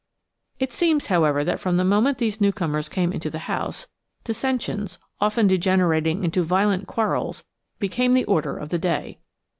It seems, however, that from the moment these newcomers came into the house, dissensions, often degenerating into violent quarrels, became the order of the day.